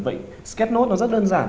vậy sketch note nó rất đơn giản